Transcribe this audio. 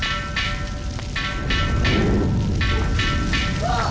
うわっ！